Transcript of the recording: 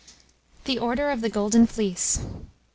THE ORDER OF THE GOLDEN FLEECE.